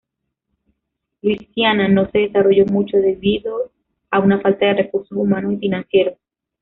Luisiana no se desarrolló mucho debido a una falta de recursos humanos y financieros.